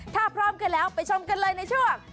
ถ้าพร้อมกันแล้วไปชมกันเลยในช่วง